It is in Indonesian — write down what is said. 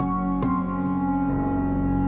kamu mau minum obat